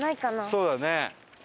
そうだね。